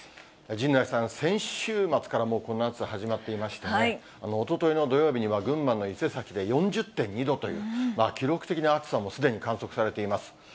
陣内さん、先週末からもうこの暑さ、始まっていましてね、おとといの土曜日には、群馬の伊勢崎で４０．２度という記録的な暑さをすでに観測されています。